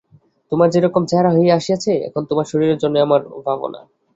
তোমার যে-রকম চেহারা হইয়া আসিয়াছে এখন তোমার শরীরের জন্যই আমার ভাবনা।